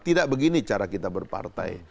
tidak begini cara kita berpartai